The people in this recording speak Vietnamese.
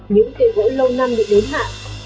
những tên gỗ lâu năm bị đớn hạ